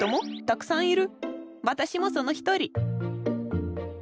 私もその一人。